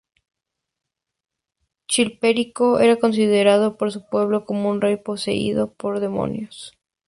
Chilperico era considerado por su pueblo como un rey poseído por demonios.